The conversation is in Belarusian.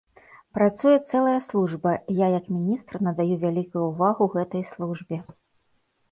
Працуе цэлая служба, я як міністр надаю вялікую ўвагу гэтай службе.